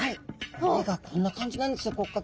骨がこんな感じなんですよ骨格。